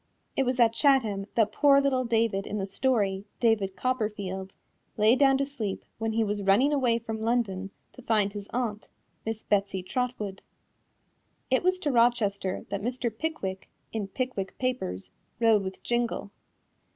It was at Chatham that poor little David in the story, David Copperfield, lay down to sleep when he was running away from London to find his aunt, Miss Betsy Trotwood. It was to Rochester that Mr. Pickwick in Pickwick Papers, rode with Jingle.